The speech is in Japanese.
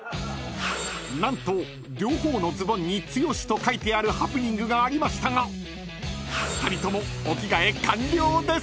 ［何と両方のズボンに「剛」と書いてあるハプニングがありましたが２人とも］